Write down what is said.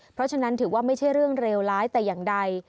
เพราะฉะนั้นถือว่าไม่ใช่เรื่องเลวร้ายแต่อย่างใด